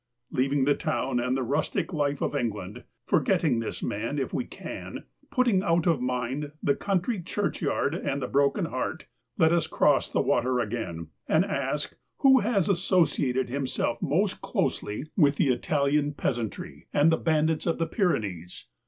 Leaving the town and the rustic life of Eng land — forgetting this man, if we can — putting out of mind the country churchyard and the broken heart — let us cross the water again, and ask who has associated himself most closely with 153 THE WORLD'S FAMOUS ORATIONS the Italian peasantry and the bandits of the Pyrenees?